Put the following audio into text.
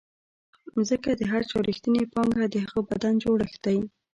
ځکه د هر چا رښتینې پانګه د هغه بدن جوړښت دی.